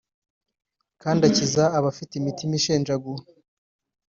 kandi akiza abafite imitima ishenjaguwe